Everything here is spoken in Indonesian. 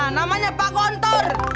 namanya pak gontor